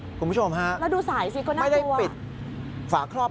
คุณผู้ชมค่ะไม่ได้ปิดฝาครอบ